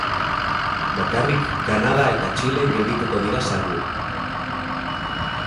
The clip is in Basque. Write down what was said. Bakarrik Kanada eta Txile geldituko dira salbu.